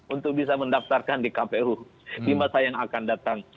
untuk bisa mendaftarkan di kpu di masa yang akan datang